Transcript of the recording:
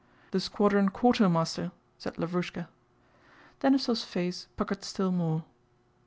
"The squadron quartermaster!" said Lavrúshka. Denísov's face puckered still more.